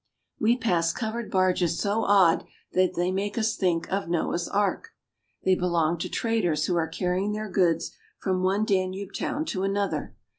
We pass covered barges so odd that they make us think of Noah's Ark ; they belong to traders who are carrying their goods from one Danube town to another.